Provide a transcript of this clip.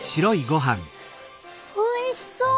おいしそう！